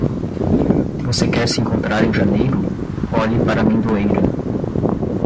Você quer se encontrar em janeiro? Olhe para a amendoeira.